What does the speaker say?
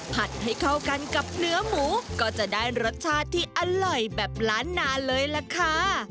ผัดให้เข้ากันกับเนื้อหมูก็จะได้รสชาติที่อร่อยแบบล้านนาเลยล่ะค่ะ